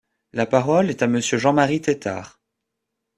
La parole est à Monsieur Jean-Marie Tétart.